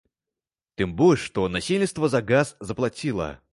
Тым больш, што насельніцтва за газ заплаціла.